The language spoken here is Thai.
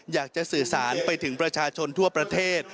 อยากจะสื่อสารไปถึงประชาชนทั่วประเทศ